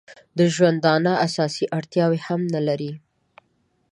د ژوندانه اساسي اړتیاوې هم نه لري.